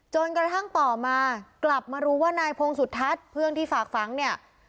จนกระทั่งต่อมากลับมารู้ว่านายพงศุทัศน์เพื่อนที่ฝากฝังเนี่ย